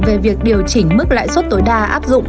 về việc điều chỉnh mức lãi suất tối đa áp dụng